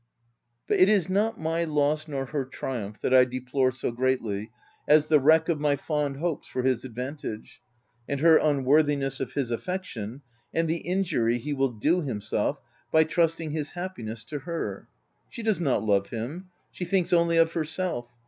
But it is not my loss, nor her triumph that I deplore so greatly as the wreck of my fond hopes for his advantage, and her un worthiness of his affection, and the injury he will do himself by trusting his happiness to her. She does not love him : she thinks only of herself.